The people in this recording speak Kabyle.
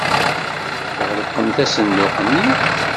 Tɣelqemt asenduq-nni.